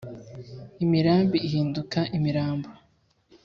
imirambi ihinduka imirambo